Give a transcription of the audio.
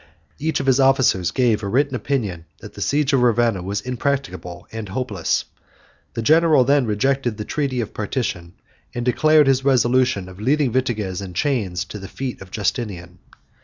Each of his officers gave a written opinion that the siege of Ravenna was impracticable and hopeless: the general then rejected the treaty of partition, and declared his own resolution of leading Vitiges in chains to the feet of Justinian.